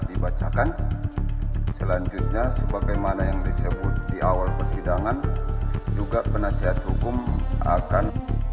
dibacakan selanjutnya sebagaimana yang disebut di awal persidangan juga penasihat hukum akan